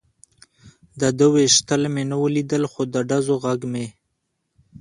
د ده وېشتل مې و نه لیدل، خو د ډزو غږ مې.